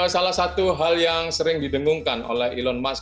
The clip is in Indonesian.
salah satu hal yang sering didengungkan oleh elon musk